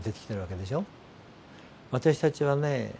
私たちはね